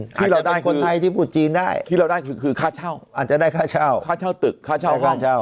อาจจะเป็นคนไทยที่ผู้จีนได้ที่เราได้คือค่าเช่าอาจจะได้ค่าเช่าค่าเช่าตึกค่าเช่าห้อง